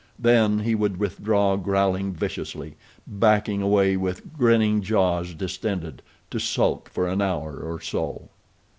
Then he would withdraw growling viciously, backing away with grinning jaws distended, to sulk for an hour or so.